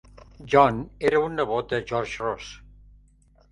John era un nebot de George Ross.